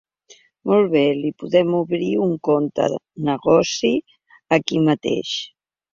Molt bé, li podem obrir un compte negoci aquí mateix.